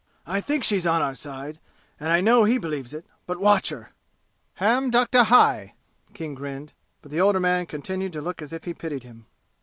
I think she's on our side, and I know he believes it; but watch her!" "Ham dekta hai!" King grinned. But the older man continued to look as if he pitied him.